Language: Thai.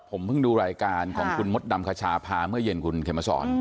ผมเพิ่งดูรายการของคุณมดดำคชาพาเมื่อเย็นคุณเขมสอน